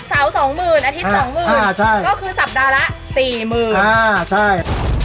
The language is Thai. ก็คือปี้